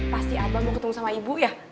pasti abang mau ketemu sama ibu ya